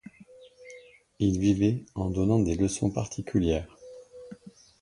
Il vivait en donnant des leçons particulières.